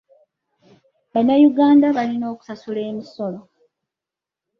Bannayuganda balina okusasula emisolo.